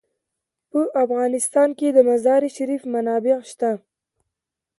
په افغانستان کې د مزارشریف منابع شته.